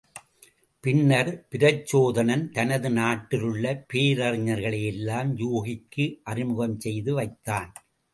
பின்னர் பிரச்சோதனன் தனது நாட்டிலுள்ள பேரறிஞர்களை எல்லாம் யூகிக்கு அறிமுகம் செய்து வைத்தான்.